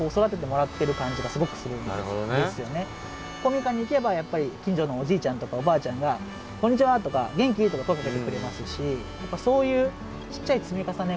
公民館に行けばやっぱり近所のおじいちゃんとかおばあちゃんが「こんにちは！」とか「元気？」とか声かけてくれますしそういうちっちゃい積み重ねがすごく大きくて。